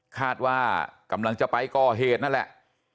คาดว่ากำลังจะไปก่อเหตุนั่นแหละ